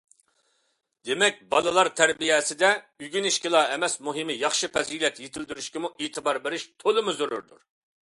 دېمەك، بالىلار تەربىيەسىدە ئۆگىنىشكىلا ئەمەس، مۇھىمى ياخشى پەزىلەت يېتىلدۈرۈشكىمۇ ئېتىبار بېرىش تولىمۇ زۆرۈردۇر.